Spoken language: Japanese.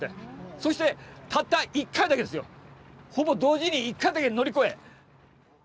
そしてたった一回だけですよほぼ同時に一回だけ乗り越え。